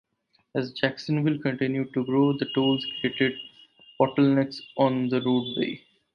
As Jacksonville continued to grow, the tolls created bottlenecks on the roadway.